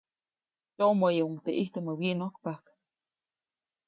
Tyoʼmäyuʼuŋ teʼ ʼijtumä wyiʼnojkpajk.